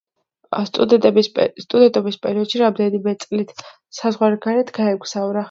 სტუდენტობის პერიოდში რამდენიმე წლით საზღვარგარეთ გაემგზავრა.